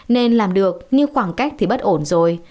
nên làm được như khoảng cách thì bất ổn rồi